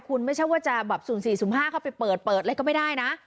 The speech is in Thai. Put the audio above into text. คุณไม่ใช่ว่าจะแบบ๐๔๐๕เข้าไปเปิดเปิดอะไรก็ไม่ได้นะ